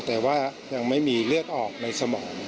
แต่ว่ายังไม่มีเลือดออกในสมอง